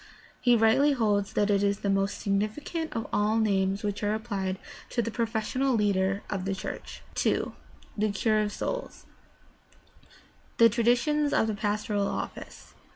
He rightly holds that it is the most significant of all the names which are applied to the professional leader of the church. 2. THE CURE OF SOULS The traditions of the pastoral office.